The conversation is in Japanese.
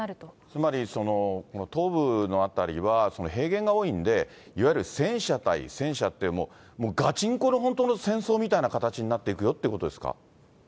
つまり、東部の辺りは平原が多いんで、いわゆる戦車対戦車って、ガチンコで本当の戦争みたいな形になっていくよってことですか？